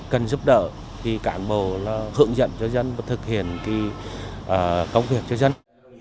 cảm bồ là hướng dẫn cho dân và thực hiện công việc cho dân